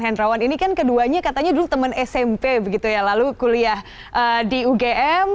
hendrawan ini kan keduanya katanya dulu teman smp begitu ya lalu kuliah di ugm